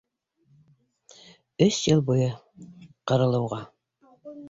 Өс йыл буйы ҡырылыуға.